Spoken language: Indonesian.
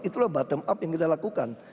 itulah bottom up yang kita lakukan